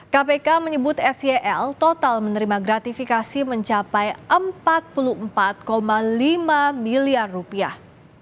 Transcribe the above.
kpk menyebut sel total menerima gratifikasi mencapai empat puluh empat lima miliar rupiah